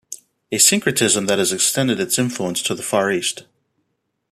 A syncretism that has extended its influence to the Far East.